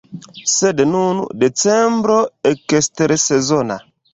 Sed nun, decembro ekstersezona.